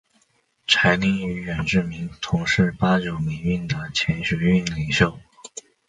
柴玲与远志明同是八九民运的前学运领袖。